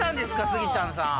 スギちゃんさん。